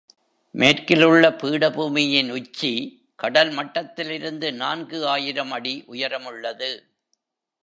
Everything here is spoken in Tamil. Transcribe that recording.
மேற்கிலுள்ள பீடபூமியின் உச்சி கடல் மட்டத்திலிருந்து நான்கு ஆயிரம் அடி உயரமுள்ளது.